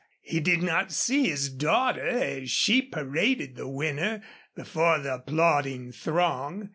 He did not see his daughter as she paraded the winner before the applauding throng.